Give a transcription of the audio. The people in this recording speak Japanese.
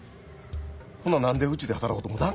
ほな何でうちで働こうと思たん？